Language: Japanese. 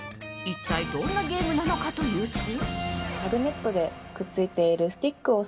一体どんなゲームなのかというと。